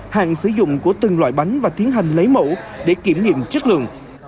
hàng sử dụng của từng loại bánh và tiến hành lấy mẫu để kiểm nghiệm chất lượng